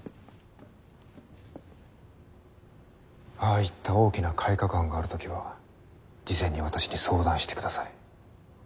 ああいった大きな改革案がある時は事前に私に相談してください。